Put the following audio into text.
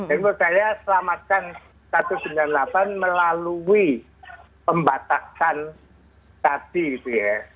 menurut saya selamatkan satu ratus sembilan puluh delapan melalui pembatasan tadi itu ya